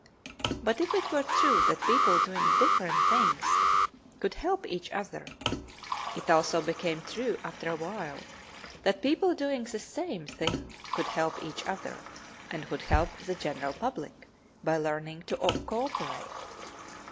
But if it were true that people doing different things could help each other, it also became true, after a while, that people doing the same thing could help each other and could help the general public, by learning to co operate.